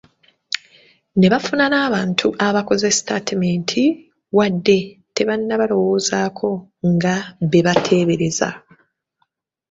Ne bafuna n’abantu abaakoze sitatimenti wadde tebannabalowoozaako nga be bateebereza.